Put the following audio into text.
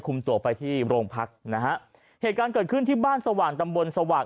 ตัวไปที่โรงพักนะฮะเหตุการณ์เกิดขึ้นที่บ้านสว่างตำบลสว่าง